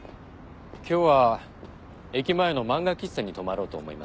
今日は駅前の漫画喫茶に泊まろうと思います。